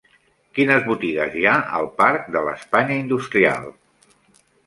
Quines botigues hi ha al parc de l'Espanya Industrial?